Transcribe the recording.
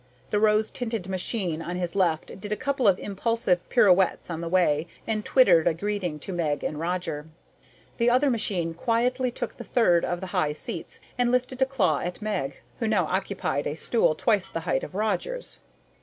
The rose tinted machine on his left did a couple of impulsive pirouettes on the way and twittered a greeting to Meg and Roger. The other machine quietly took the third of the high seats and lifted a claw at Meg, who now occupied a stool twice the height of Roger's.